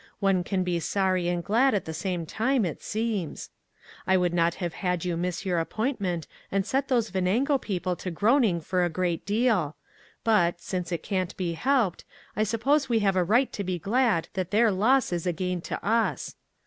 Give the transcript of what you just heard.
One can be sorry and glad at the same time, it seems. I would not have had • you miss your appointment and set those Venango people to groaning for a great deal; but, since it can't be helped, I suppose we have a right to be glad that their loss is a gain to us.